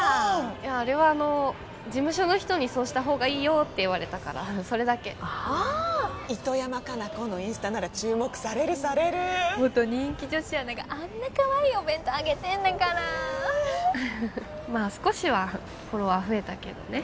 あれはあの事務所の人にそうした方がいいよって言われたからそれだけ糸山果奈子のインスタなら注目されるされる元人気女子アナがあんなかわいいお弁当上げてんだからまあ少しはフォロワー増えたけどね